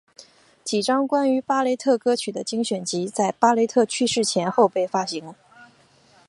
几张关于巴雷特歌曲的精选集在巴雷特去世前后被发行。